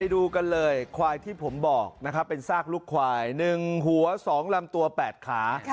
ดูกันเลยควายที่ผมบอกนะครับเป็นซากลูกควาย๑หัว๒ลำตัว๘ขา